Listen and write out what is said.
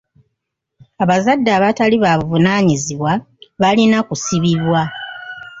Abazadde abatali babuvunaanyizibwa balina kusibibwa.